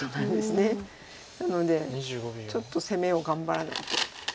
なのでちょっと攻めを頑張らないと。